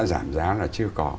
giảm giá là chưa có